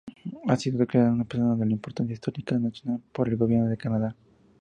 Ha sido declarada "una persona de importancia histórica nacional" por el Gobierno de Canadá.